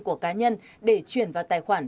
của cá nhân để chuyển vào tài khoản